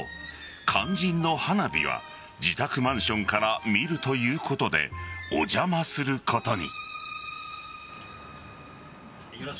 肝心の花火は自宅マンションから見るということでお邪魔することに。